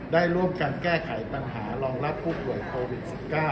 ได้ร่วมกันแก้ไขปัญหารองรับผู้ป่วยโควิด๑๙